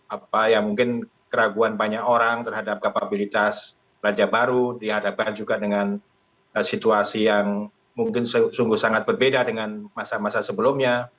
apa ya mungkin keraguan banyak orang terhadap kapabilitas raja baru dihadapkan juga dengan situasi yang mungkin sungguh sangat berbeda dengan masa masa sebelumnya